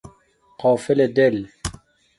غافل دل